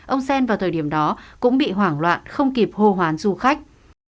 ông sen vào thời điểm đó cũng bị hoảng loạn không kịp hô hoán du khách